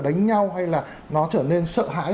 đánh nhau hay là nó trở nên sợ hãi